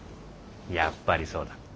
やっぱりそうだ。